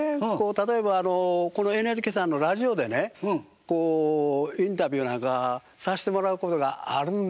例えばこのＮＨＫさんのラジオでねこうインタビューなんかさしてもらうことがあるんですよ。